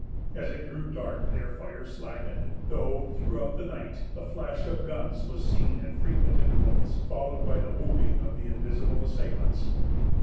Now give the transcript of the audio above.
As it grew dark, their fire slackened, though, throughout the night, the flash of guns was seen at frequent intervals, followed by the whooping of the invisible assailants.